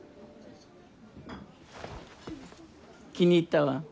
気に入ったわ。